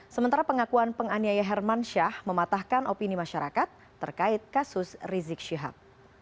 sementara pengakuan penganyaya hermansyah mematahkan opini masyarakat terkait kasus rizik syihab